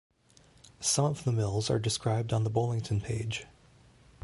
Some of the mills are described on the Bollington page.